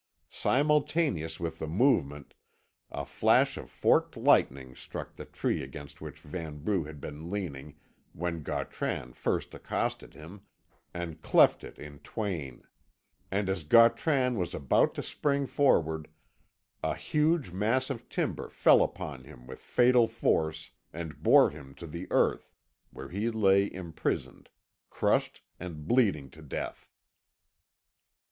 Simultaneously with the movement a flash of forked lightning struck the tree against which Vanbrugh had been leaning when Gautran first accosted him, and cleft it in twain; and as Gautran was about to spring forward, a huge mass of timber fell upon him with fatal force, and bore him to the earth where he lay imprisoned, crushed and bleeding to death.